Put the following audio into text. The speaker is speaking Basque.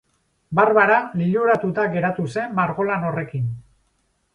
Barbara liluratuta geratu zen margolan horrekin.